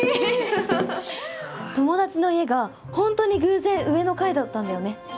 友達の家が本当に偶然上の階だったんだよね。